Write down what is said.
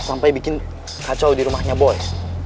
sampai bikin kacau di rumahnya boys